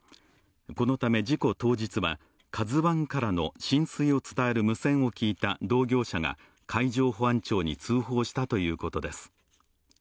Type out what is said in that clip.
このため事故当日は「ＫＡＺＵⅠ」からの浸水を伝える無線を聞いた同業者が海上保安庁に通報したということです。